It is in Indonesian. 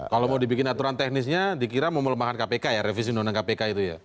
kalau mau dibikin aturan teknisnya dikira mau melemahkan kpk ya revisi undang undang kpk itu ya